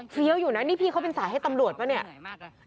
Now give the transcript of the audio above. อยู่นะนี่พี่เขาเป็นสายให้ตำรวจป่ะเนี่ย